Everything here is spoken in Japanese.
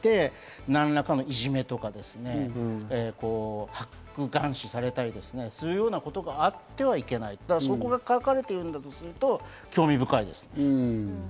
それによって、その地位に基づいて何らかのいじめとか、白眼視されたりするようなことがあってはいけない、そこが書かれているんだとすると興味深いですね。